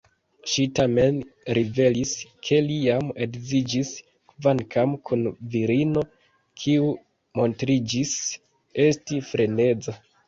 Ŝi tamen rivelis ke li jam edziĝis, kvankam kun virino kiu montriĝis esti freneza.